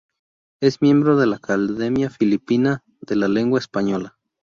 Es miembro de la Academia Filipina de la Lengua Española.